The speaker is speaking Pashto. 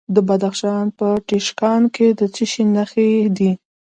د بدخشان په تیشکان کې د څه شي نښې دي؟